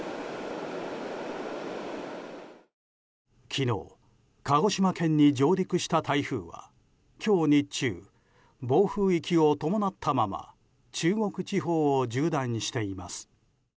昨日、鹿児島県に上陸した台風は今日日中、暴風域を伴ったまま中国地方を縦断しています。